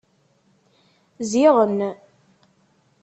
Ziɣen.